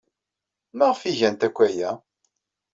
Maɣef ay gant akk aya?